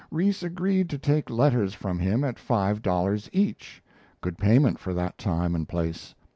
Rees agreed to take letters from him at five dollars each good payment for that time and place.